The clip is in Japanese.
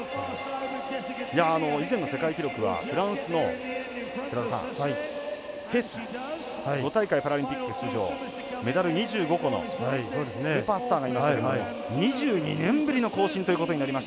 以前の世界記録はフランスのヘス５大会パラリンピック出場メダル２５個のスーパースターがいましたけども２２年ぶりの更新